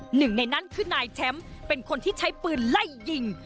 หนึ่งในนั้นคือนายแชมป์เป็นคนที่ใช้ปืนไล่ยิง